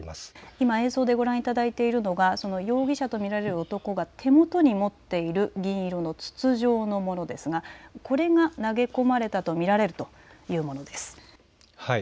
今、映像でご覧いただいているのがその容疑者と見られる男が手元に持っている銀色の筒状のものですがこれが投げ込まれたと見られるというものです。